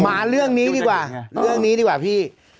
มาเรื่องนี้ดีกว่าเรื่องนี้ดีกว่าพี่